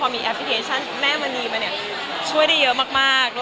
มัดทราบแม่มณีช่วยได้เยอะมาก